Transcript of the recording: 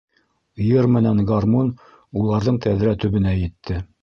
Йыр менән гармун уларҙың тәҙрә төбөнә етте.